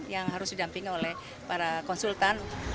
yang harus didampingi oleh para konsultan